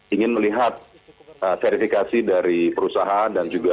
ingin melihat verifikasi dari perusahaan